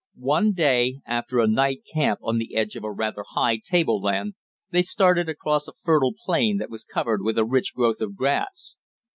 One day, after a night camp on the edge of a rather high table land, they started across a fertile plain that was covered with a rich growth of grass.